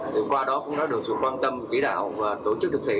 thì qua đó cũng đã được sự quan tâm chỉ đạo và tổ chức được thiện